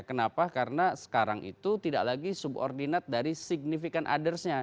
kenapa karena sekarang itu tidak lagi subordinat dari significant others nya